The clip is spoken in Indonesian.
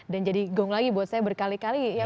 dan jadi gong lagi buat saya berkali kali ya